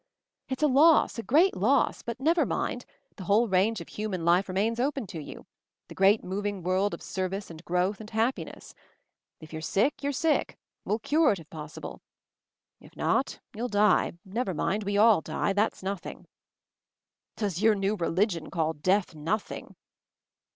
It's a loss, a great loss, but never mind, the whole range of human life remains open to you, the great moving world of service and growth and happiness. If you're sick, you're sick — we'll cure it if pos sible. If not, you'll die — never mind, we all die— that's nothing." "Does your new religion call death noth ing?"